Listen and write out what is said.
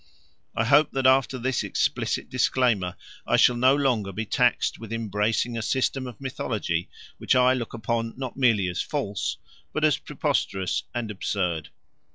I hope that after this explicit disclaimer I shall no longer be taxed with embracing a system of mythology which I look upon not merely as false but as preposterous and absurd.